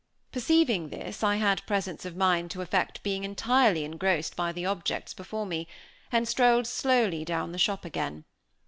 Perceiving this, I had presence of mind to affect being entirely engrossed by the objects before me, and strolled slowly down the shop again.